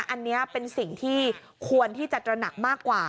อันนี้เป็นสิ่งที่ควรที่จะตระหนักมากกว่า